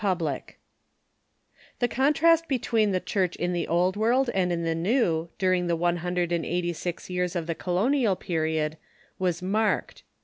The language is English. ] The contrast between the Church in the Old World and in the New during the one hundred and eighty six years of the Colonial Period was marked.